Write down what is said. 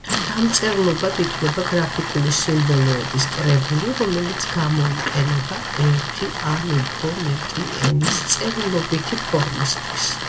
დამწერლობად ითვლება „გრაფიკული სიმბოლოების კრებული, რომელიც გამოიყენება ერთი ან უფრო მეტი ენის წერილობითი ფორმისთვის“.